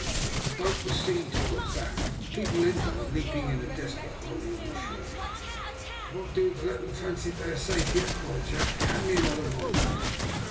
The boat was seen to put back, the people in her leaping in a desperate hurry on shore. "It won't do to let them fancy that they are safe yet," cried Jack. "Hand me another rifle."